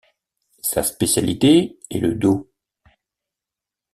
Sa spécialité est le dos.